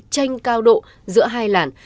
tranh cao độ giữa hai lản